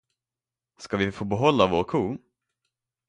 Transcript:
Ska vi få behålla vår ko?